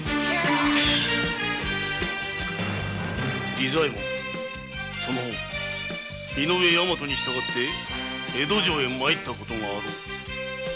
儀左衛門井上大和に従って江戸城へ参ったことがあろう。